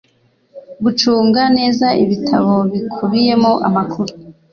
gucunga neza ibitabo bikubiyemo amakuru